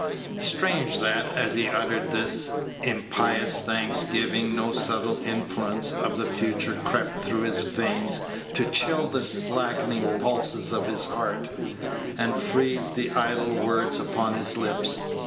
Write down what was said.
Strange that, as he uttered this impious thanksgiving, no subtle influence of the future crept through his veins to chill the slackening pulses of his heart, and freeze the idle words upon his lips.